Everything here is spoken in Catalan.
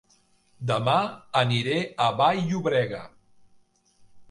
Dema aniré a Vall-llobrega